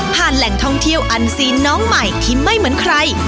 แหล่งท่องเที่ยวอันซีนน้องใหม่ที่ไม่เหมือนใคร